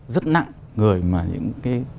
rất nặng người mà những cái